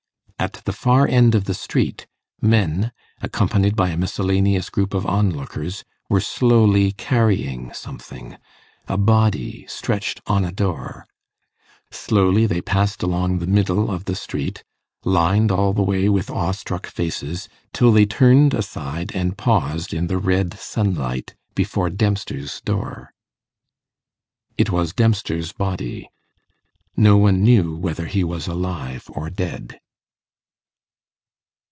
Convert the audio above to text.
At the far end of the street, men, accompanied by a miscellaneous group of onlookers, were slowly carrying something a body stretched on a door. Slowly they passed along the middle of the street, lined all the way with awe struck faces, till they turned aside and paused in the red sunlight before Dempster's door. It was Dempster's body. No one knew whether he was alive or dead.